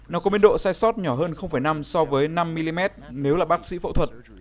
nó có biên độ sai sót nhỏ hơn năm so với năm mm nếu là bác sĩ phẫu thuật